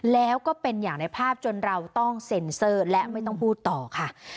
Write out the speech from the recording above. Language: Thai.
แล้วก็เป็นอย่างในภาพจนเราต้องเซ็นเซอร์และไม่ต้องพูดต่อค่ะ